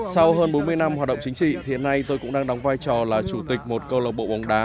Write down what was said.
sau hơn bốn mươi năm hoạt động chính trị hiện nay tôi cũng đang đóng vai trò là chủ tịch một câu lộc bộ bóng đá